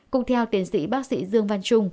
cùng theo tiến sĩ bác sĩ dương văn trung